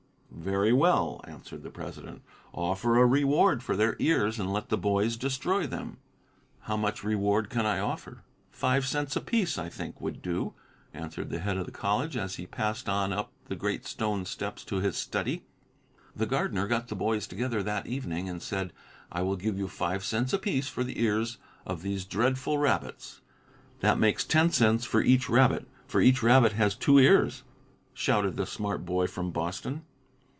"Very well," answered the president. "Offer a reward for their ears and let the boys destroy them." "How much reward can I offer?" "Five cents apiece, I think, would do," answered the head of the college, as he passed on up the great stone steps to his study. The gardener got the boys together that evening and said, "I will give you five cents apiece for the ears of these dreadful rabbits." "That makes ten cents for each rabbit, for each rabbit has two ears!" shouted the smart boy from Boston.